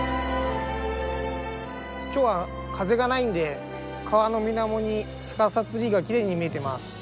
今日は風がないんで川のみなもに逆さツリーがきれいに見えてます。